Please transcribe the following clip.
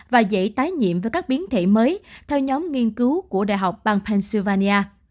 và dễ tái nhiễm với các biến thể mới theo nhóm nghiên cứu của đại học bang pennsylvania